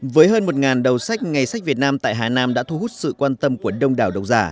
với hơn một đầu sách ngày sách việt nam tại hà nam đã thu hút sự quan tâm của đông đảo độc giả